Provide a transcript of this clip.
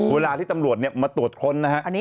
เวลาที่ตำรวจมาตรวจค้นนะฮะ